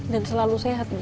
dan selalu sehat bu